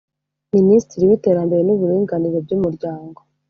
Minisitiri w’Iterambere n’Uburinganire by’Umuryango